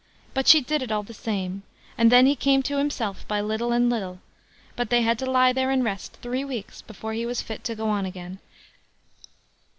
But she did it all the same, and then he came to himself by little and little; but they had to lie there and rest three weeks before he was fit to go on again.